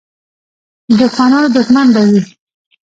د دښمنانو دښمن به وي.